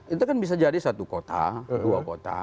itu kan bisa jadi satu kota dua kota